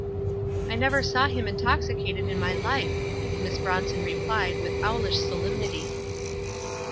"I never saw him intoxicated in my life," Miss Bronson replied, with owlish solemnity.